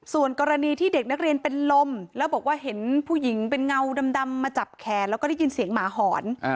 ส่วนกรณีที่เด็กนักเรียนเป็นลมแล้วบอกว่าเห็นผู้หญิงเป็นเงาดำมาจับแขนแล้วก็ได้ยินเสียงหมาหอน